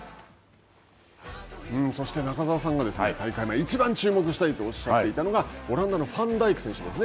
そして中澤さんが、大会前、いちばん注目したいとおっしゃっていたのがオランダのファンダイク選手ですね。